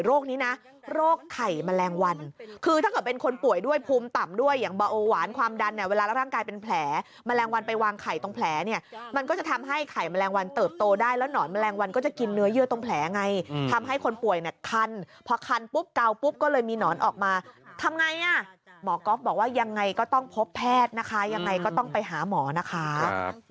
โรคไข่แมลงวันคือถ้าเกิดเป็นคนป่วยด้วยภูมิต่ำด้วยอย่างเบาหวานความดันเนี่ยเวลาร่างกายเป็นแผลแมลงวันไปวางไข่ตรงแผลเนี่ยมันก็จะทำให้ไข่แมลงวันเติบโตได้แล้วหนอนแมลงวันก็จะกินเนื้อเยื่อตรงแผลไงทำให้คนป่วยเนี่ยคันพอคันปุ๊บเกาปุ๊บก็เลยมีหนอนออกมาทำไงอ่ะหมอก๊อฟบอกว่